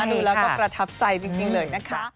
ดูแล้วก็ประทับใจจริงเลยนะคะ